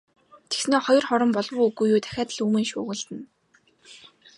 Тэгснээ хоёр хором болов уу, үгүй юу дахиад л үймэн шуугилдана.